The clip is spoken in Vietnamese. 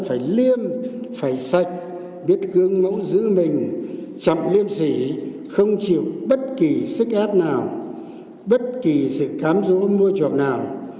phải liêm phải sạch biết gương mẫu giữ mình chậm liêm sỉ không chịu bất kỳ sức ép nào bất kỳ sự khám rũ môi trọc nào